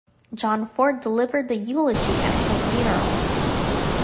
John Ford delivered the eulogy at his funeral.